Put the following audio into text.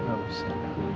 nggak usah ya